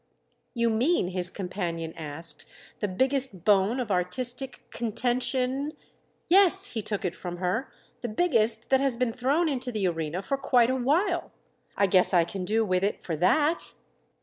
"You mean," his companion asked, "the biggest bone of artistic contention——?" "Yes,"—he took it from her—"the biggest that has been thrown into the arena for quite a while. I guess I can do with it for that."